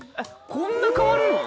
こんな変わるの？